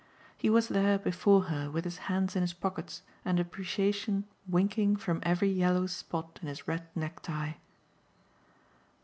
He was there before her with his hands in his pockets and appreciation winking from every yellow spot in his red necktie.